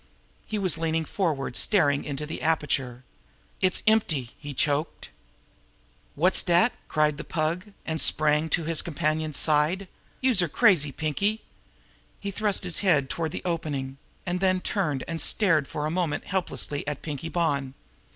He was leaning forward, staring into the aperture. "It's empty!" he choked. "Wot's dat?" cried the Pug, and sprang to his companion's side. "Youse're crazy, Pinkie!" He thrust his head toward the opening and then turned and stared for a moment helplessly at Pinkie Bonn.